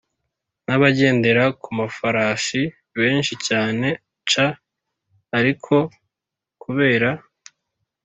N abagendera ku mafarashi benshi cyane c ariko kubera